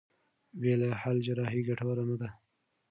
بې له حل جراحي ګټوره نه ده.